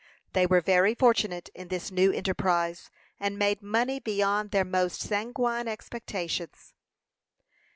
They were very fortunate in this new enterprise, and made money beyond their most sanguine expectations.